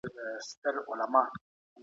ولګوي؛ خو دا چي د دوی کمپاین غیرملي او غیر